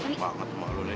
cepet banget sama lo nek